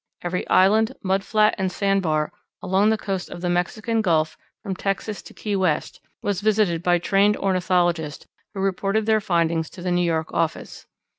Every island, mud flat, and sand bar along the coast of the Mexican Gulf, from Texas to Key West, was visited by trained ornithologists who reported their findings to the New York office.